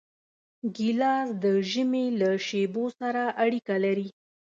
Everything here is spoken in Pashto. ګیلاس د ژمي له شېبو سره اړیکه لري.